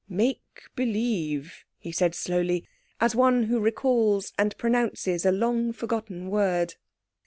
"Make believe," he said slowly, as one who recalls and pronounces a long forgotten word.